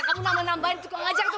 kamu nambah nambahin cukup ngajak tuh